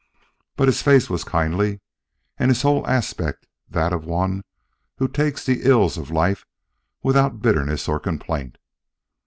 But his face was kindly, and his whole aspect that of one who takes the ills of life without bitterness or complaint.